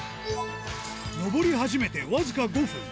登り始めて僅か５分。